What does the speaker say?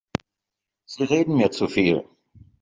Sie reden mir zu viel.